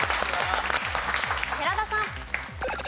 寺田さん。